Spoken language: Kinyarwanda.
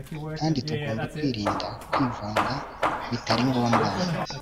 kandi tugomba kwirinda kwivanga bitari ngombwa